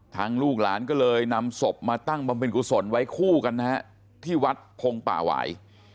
ลูกหลานก็เลยนำศพมาตั้งบำเพ็ญกุศลไว้คู่กันนะฮะที่วัดพงป่าหวาย